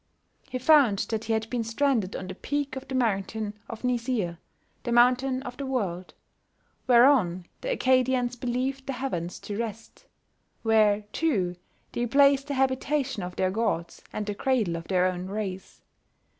He found that he had been stranded on the peak of the mountain of Nizir, "the mountain of the world," whereon the Accadians believed the heavens to rest where, too, they placed the habitations of their gods, and the cradle of their own race.